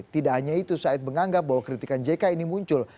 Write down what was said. tidak hanya itu said menganggap bahwa kritikan jk ini muncul